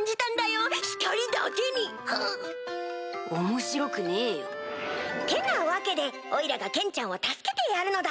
面白くねえよ。ってなわけでおいらがケンちゃんを助けてやるのだ！